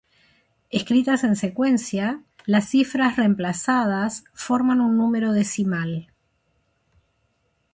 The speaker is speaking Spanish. Escritas en secuencia, las cifras reemplazadas forman un número decimal.